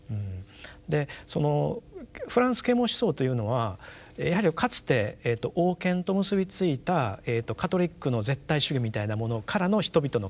でそのフランス啓蒙思想というのはやはりかつて王権と結びついたカトリックの絶対主義みたいなものからの人々の解放